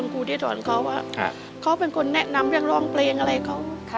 ก็เป็นคนแนะนำเรื่องร่องเพลงอะไรเขา